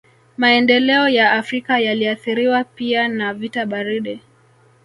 Maendeleo ya Afrika yaliathiriwa pia na vita baridi